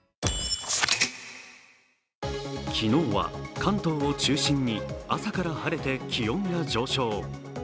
昨日は関東を中心に朝から晴れて気温が上昇。